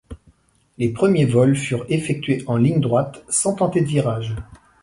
Les premiers vols furent effectués en ligne droite, sans tenter de virage.